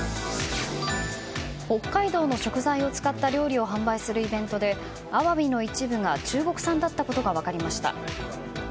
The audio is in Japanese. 北海道の食材を使った料理を販売するイベントでアワビの一部が中国産だったことが分かりました。